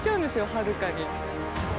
はるかに。